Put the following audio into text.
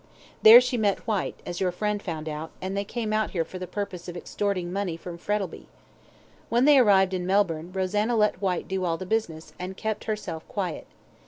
There she met Whyte, as your friend found out, and they came out here for the purpose of extorting money from Frettlby. When they arrived in Melbourne, Rosanna let Whyte do all the business, and kept herself quiet.